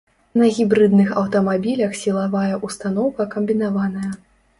На гібрыдных аўтамабілях сілавая ўстаноўка камбінаваная.